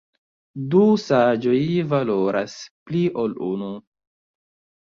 Du saĝoj valoras pli ol unu!